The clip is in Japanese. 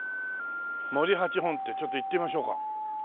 「森八本店」ちょっと行ってみましょうか。